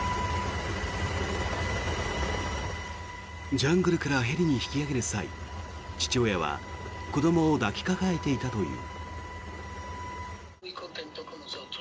ジャングルからヘリに引き上げる際父親は子どもを抱きかかえていたという。